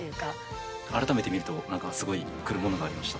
改めて見ると何かすごい来るものがありました。